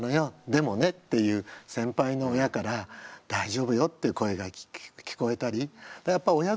でもね」っていう先輩の親から「大丈夫よ」っていう声が聞こえたりやっぱあああ